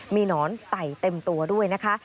มีหนอนไต่เต็มตัวด้วยนะคะ